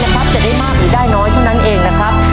จะได้มากหรือได้น้อยเท่านั้นเองนะครับ